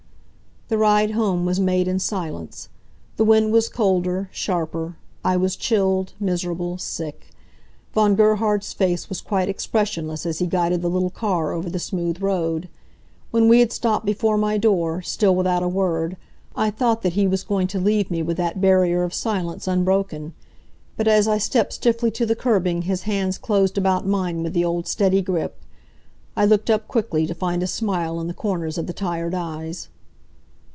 The ride home was made in silence. The wind was colder, sharper. I was chilled, miserable, sick. Von Gerhard's face was quite expressionless as he guided the little car over the smooth road. When we had stopped before my door, still without a word, I thought that he was going to leave me with that barrier of silence unbroken. But as I stepped stiffly to the curbing his hands closed about mine with the old steady grip. I looked up quickly, to find a smile in the corners of the tired eyes.